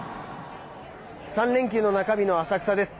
３連休の中日の浅草です。